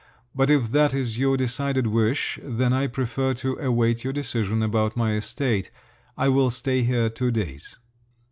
But if that is your decided wish, then I prefer to await your decision about my estate—I will stay here two days."